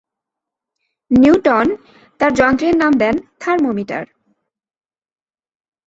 Newton তাঁর যন্ত্রের নাম দেন "থার্মোমিটার"।